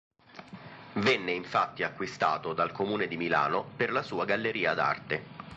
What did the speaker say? Venne infatti acquistato dal Comune di Milano per la sua Galleria d'arte.